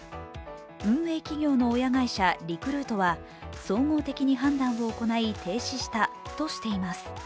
運営企業の親会社リクルートは総合的に判断を行い停止したとしています。